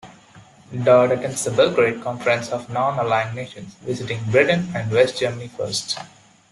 Daud attends the Belgrade conference of non-aligned nations, visiting Britain and West Germany first.